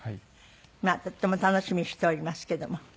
まあとっても楽しみにしておりますけども。